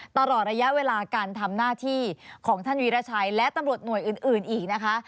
ตลอดระยะเวลาการทำหน้าที่ของท่านวิราชัยและตำรวจหน่วยอื่นอีกนะคะ